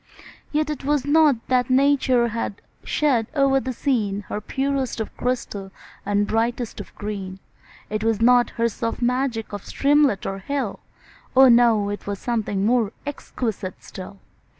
Yet it was not that Nature had shed o'er the scene Her purest of crystal and brightest of green; 'Twas not her soft magic of streamlet or hill, Oh! no, it was something more exquisite still.